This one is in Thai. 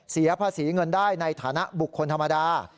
เสียภาษีเงินได้ในฐานะบุคคลธรรมดา